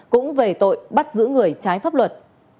cũng về tội bắt giữ người trái pháp luật